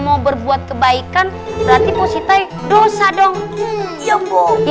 mau berbuat kebaikan berarti positai dosa dong iya